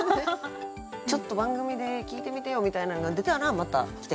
ちょっと番組で聞いてみてよみたいなのが出たらまた来て。